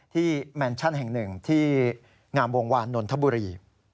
แมนชั่นแห่งหนึ่งที่งามวงวานนทบุรี